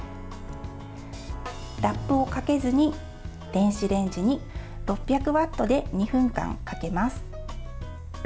ラップをかけずに電子レンジに６００ワットで２分間かけます。